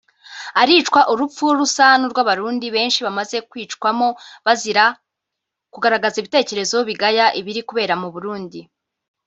aricwa urupfu rusa n’urwabarundi benshi bamaze kwicwamo bazira kugaragaza ibitekerezo bigaya ibiri kubera mu Burundi